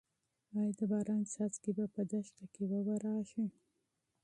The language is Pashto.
ايا د باران څاڅکي به په دښته کې واوریږي؟